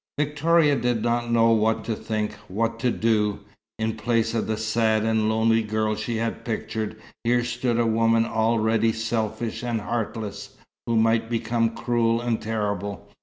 Victoria did not know what to think, what to do. In place of the sad and lonely girl she had pictured, here stood a woman already selfish and heartless, who might become cruel and terrible.